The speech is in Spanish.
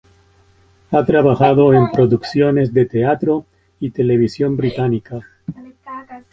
Ha trabajado en producciones de teatro y televisión británica.